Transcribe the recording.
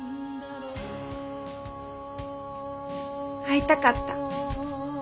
会いたかった。